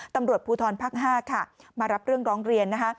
ตำรวจภูทรภักดิ์๕ค่ะมารับเรื่องร้องเรียนนะคะ